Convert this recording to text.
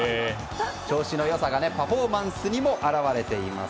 調子の良さがパフォーマンスにも現れています。